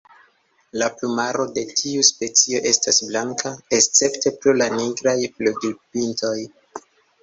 La plumaro de tiu specio estas blanka escepte pro la nigraj flugilpintoj.